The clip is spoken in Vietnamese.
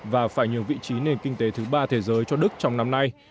và phải nhường vị trí nền kinh tế thứ ba thế giới cho đức trong năm nay